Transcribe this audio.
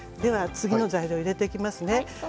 次の材料を入れていきますね。